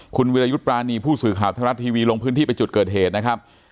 คุณวิรยุทธ์ปรานีผู้สื่อข่าวไทยรัฐทีวีลงพื้นที่ไปจุดเกิดเหตุนะครับ